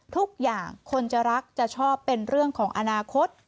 ทุกคนคนจะรักจะชอบเป็นเรื่องของอนาคต